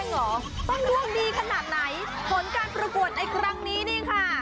เหรอต้องร่วงดีขนาดไหนผลการประกวดในครั้งนี้นี่ค่ะ